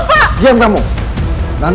itu cuma kesalahpahaman doang